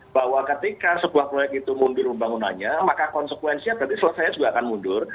bahwa ketika sebuah proyek itu mundur pembangunannya maka konsekuensinya berarti selesainya juga akan mundur